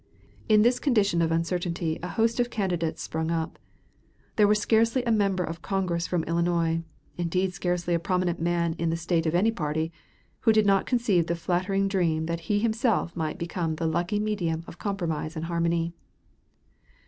In this condition of uncertainty a host of candidates sprung up. There was scarcely a member of Congress from Illinois indeed, scarcely a prominent man in the State of any party who did not conceive the flattering dream that he himself might become the lucky medium of compromise and harmony.